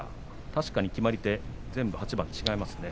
確かに決まり手８番全部違いますね。